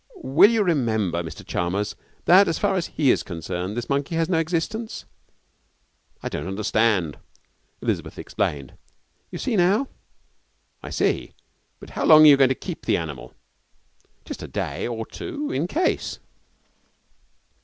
'Will you remember, Mr Chalmers, that, as far as he is concerned, this monkey has no existence?' 'I don't understand.' Elizabeth explained. 'You see now?' 'I see. But how long are you going to keep the animal?' 'Just a day or two in case.'